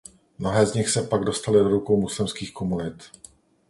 Mnohé z nich se pak dostali do rukou muslimských komunit.